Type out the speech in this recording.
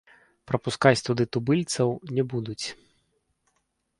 Прапускаць туды тубыльцаў не будуць.